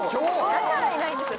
だからいないんですよ。